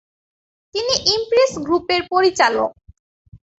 তিনি ইমপ্রেস গ্রুপের পরিচালক।